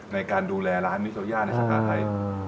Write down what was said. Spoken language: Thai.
ในการดูแลร้านวิทยาวญาณในสาขาไทย